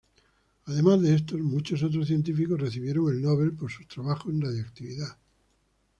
Además de estos, muchos otros científicos recibieron el Nobel por sus trabajos en radiactividad.